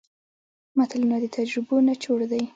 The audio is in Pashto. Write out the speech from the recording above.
متلونه د تجربو نچوړ دی